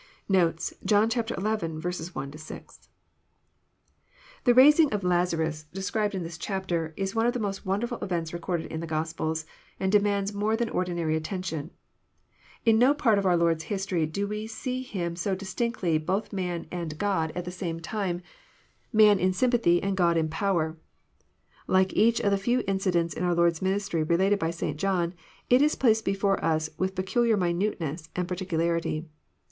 Notes. John XI. 1—6. The raising of Lazarus, described in this chapter, is one of the most wonderful events recorded in the Gospels, and de mands more than ordirary attention. In no part of our Lord's history do we see Him so distinctly both man and God at th« 232 EXPOsrroEY thoughts. ' same time, Tnan in sympathy, and God in power. Like each of the few incidents in our Lord's ministry related by St. John, it is placed before us with peculiar minuteness and particu larity.